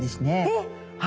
えっ。